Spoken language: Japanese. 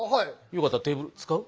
よかったらテーブル使う？